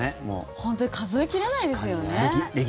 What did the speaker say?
本当に数え切れないですよね。